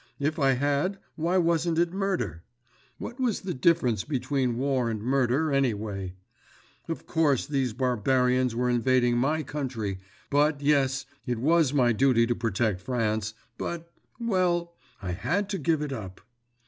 If I had, why wasn't it murder? What was the difference between war and murder, anyway? Of course these barbarians were invading my country, but—yes, it was my duty to protect France, but—well, I had to give it up.